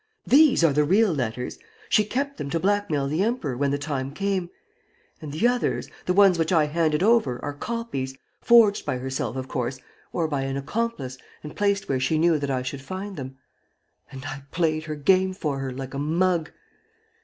These are the real letters! She kept them to blackmail the Emperor when the time came. And the others, the ones which I handed over, are copies, forged by herself, of course, or by an accomplice, and placed where she knew that I should find them. ... And I played her game for her, like a mug!